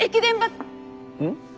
うん？